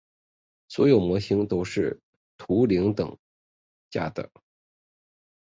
所有模型都是图灵等价的。